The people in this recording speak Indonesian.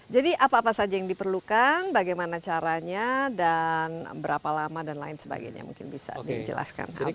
jadi apa apa saja yang diperlukan bagaimana caranya dan berapa lama dan lain sebagainya mungkin bisa dijelaskan albert